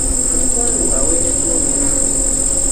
Omukungu aweereddwa oluwummula.